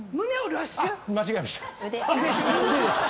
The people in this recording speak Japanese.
腕です。